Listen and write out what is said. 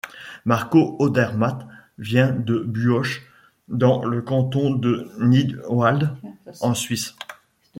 Marco Odermatt vient de Buochs dans le canton de Nidwald en Suisse.